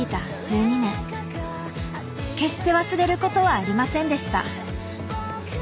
決して忘れることはありませんでした。